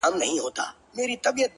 • زلمي خوبونو زنګول کیسې به نه ختمېدي,